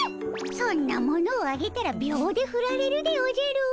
そんなものをあげたら秒でふられるでおじゃる。